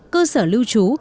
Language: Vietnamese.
cơ sở lưu trú